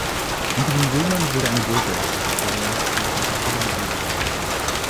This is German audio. Unter den Römern wurde eine Burg errichtet, deren Reste noch heute vorhanden sind.